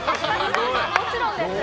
もちろんです。